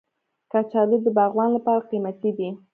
کچالو د باغوان لپاره قیمتي دی